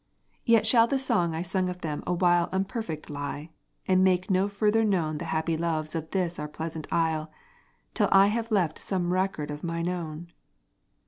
Yet shall the song I sung of them awhile Unperfect lie, and make no further known The happy loves of this our pleasant Isle, Till I have left some record of mine own.